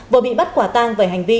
vừa bị bắt quả tang về hành vi